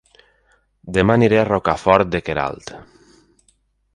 Dema aniré a Rocafort de Queralt